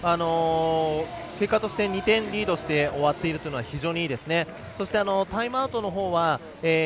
結果として２点リードして終わっているのは非常にいいですね。